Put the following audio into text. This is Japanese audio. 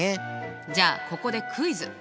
じゃあここでクイズ！